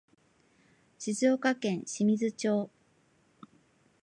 静岡県清水町